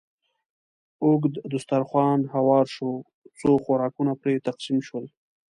اوږد دسترخوان هوار شو، څو خوراکونه پرې تقسیم شول.